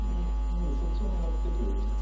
なのでそっちを狙ってという。